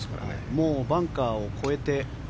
もうバンカーを越えて。